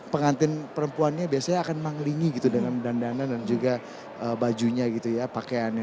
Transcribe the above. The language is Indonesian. pengantin perempuannya biasanya akan mengelingi gitu dengan dandana dan juga bajunya gitu ya pakaiannya